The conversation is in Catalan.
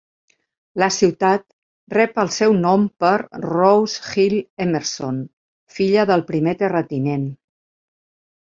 La ciutat rep el seu nom per Rose Hill Emerson, filla del primer terratinent.